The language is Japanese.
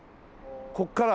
ここから？